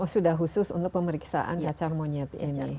sudah khusus untuk pemeriksaan cacar monyet ini